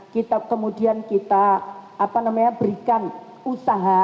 kemudian kita berikan usaha